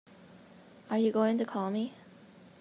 Are you going to call me?